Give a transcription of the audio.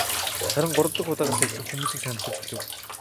Харин гурав дахь удаагаас эхлэн хүмүүс сонирхож эхэлнэ.